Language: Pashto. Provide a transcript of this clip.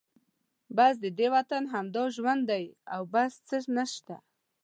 بس ددې وطن همدا ژوند دی او بل څه نشته.